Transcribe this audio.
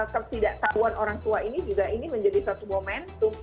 ketidaktahuan orang tua ini juga ini menjadi satu momentum